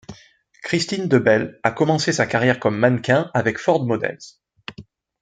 Kristine DeBell a commencé sa carrière comme mannequin avec Ford Models.